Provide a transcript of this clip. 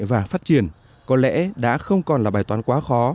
và phát triển có lẽ đã không còn là bài toán quá khó